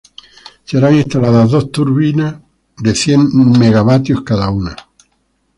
Serán instaladas dos turbinas de cien megavatios cada uno.